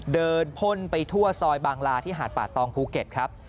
พ่นไปทั่วซอยบางลาที่หาดป่าตองภูเก็ตครับ